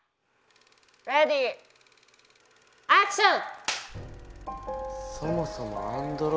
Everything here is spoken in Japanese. レディーアクション！